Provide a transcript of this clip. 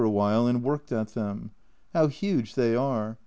a while and worked at them. How huge they are